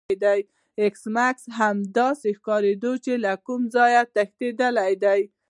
ایس میکس هم داسې ښکاریده چې له کوم ځای تښتیدلی دی